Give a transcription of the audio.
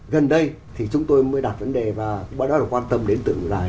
gần đây thì chúng tôi mới đặt vấn đề vào đó là quan tâm đến tượng đài